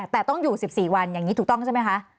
แต่ต้องอยู่๑๔วันอย่างนี้ถูกต้องใช่ไหมคะ